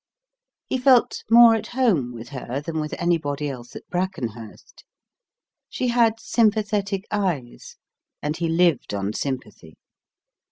He felt more at home with her than with anybody else at Brackenhurst. She had sympathetic eyes; and he lived on sympathy.